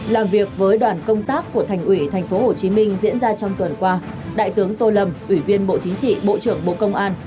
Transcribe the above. làm việc với đoàn công tác của thành ủy tp hcm diễn ra trong tuần qua đại tướng tô lâm ủy viên bộ chính trị bộ trưởng bộ công an